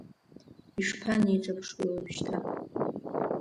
Ишԥанеиҿаԥшуеи уажәшьҭа?